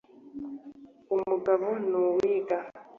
umugabo nuwigira.